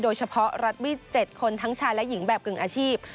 โดยเฉพาะรัฐมีด๗คนทั้งชายและหญิงแบบกึ่งอาชีพ